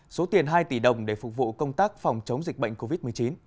số tiền hai tỷ đồng để phục vụ công tác phòng chống dịch bệnh covid một mươi chín